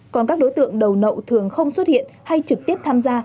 còn các đối tượng đầu nậu thường không xuất hiện hay trực tiếp tham gia